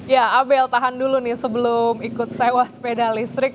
ya abel tahan dulu nih sebelum ikut sewa sepeda listrik